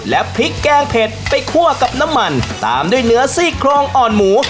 และพริกแกงเผ็ดไปคั่วกับน้ำมันตามด้วยเนื้อซี่โครงอ่อนหมู